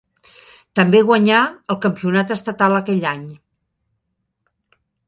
També guanyà el campionat estatal aquell any.